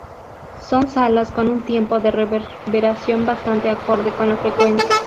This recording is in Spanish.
Son salas con un tiempo de reverberación bastante acorde con la frecuencia.